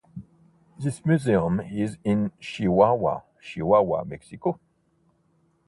This museum is in Chihuahua, Chihuahua, Mexico.